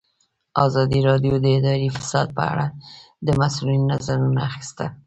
ازادي راډیو د اداري فساد په اړه د مسؤلینو نظرونه اخیستي.